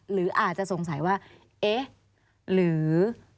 หรืออาจจะสงสัยว่าเอ๊ะหรือ